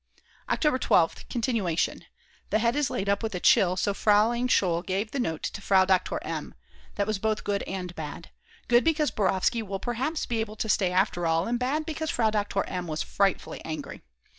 October 12th. Continuation; the head is laid up with a chill, so Frl. Scholl gave the note to Frau Doktor M.; that was both good and bad. Good because Borovsky will perhaps be able to stay after all, and bad because Frau Doktor M. was frightfully angry.